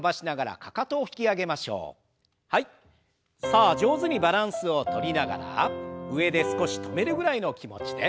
さあ上手にバランスをとりながら上で少し止めるぐらいの気持ちで。